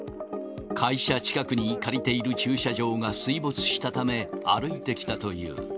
会社近くに借りている駐車場が水没したため、歩いてきたという。